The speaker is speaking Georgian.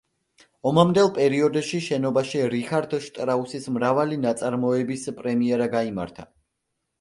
ომამდელ პერიოდში შენობაში რიხარდ შტრაუსის მრავალი ნაწარმოების პრემიერა გაიმართა.